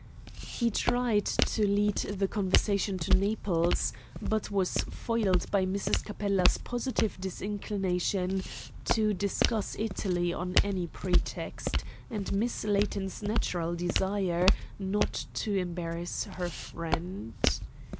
He tried to lead the conversation to Naples, but was foiled by Mrs. Capella's positive disinclination to discuss Italy on any pretext, and Miss Layton's natural desire not to embarrass her friend.